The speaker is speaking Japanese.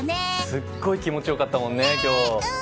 すっごい気持ちよかったもんね今日。